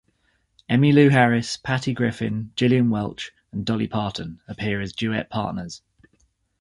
Emmylou Harris, Patty Griffin, Gillian Welch and Dolly Parton appear as duet partners.